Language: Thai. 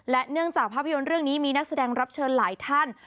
เนื่องจากภาพยนตร์เรื่องนี้มีนักแสดงรับเชิญหลายท่าน